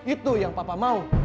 itu yang papa mau